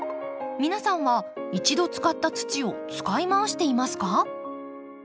皆さんは一度使った土を使いまわしていますか？